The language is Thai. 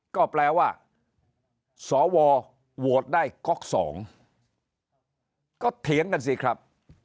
ก็แปลว่าสวโหวตได้ก๊อกสองก็เถียงกันสิครับ